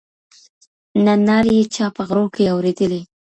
نه نارې یې چا په غرو کي اورېدلې